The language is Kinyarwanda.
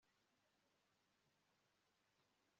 kuko yari sebukwe